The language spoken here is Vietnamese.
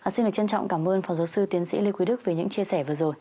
xin được trân trọng cảm ơn phó giáo sư tiến sĩ lê quý đức về những chia sẻ vừa rồi